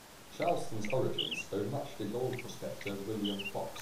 Charleston's origins owe much to gold prospector William Fox.